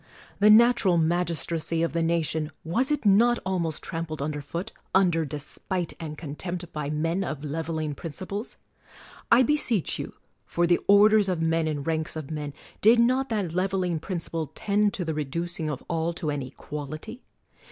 The natural magistracy of the nation, was it not almost trampled under foot, under despite and contempt, by men of leveling principles ? I beseech you, for the orders of men and ranks of men, did not that leveling principle tend to the reducing of all to an equality?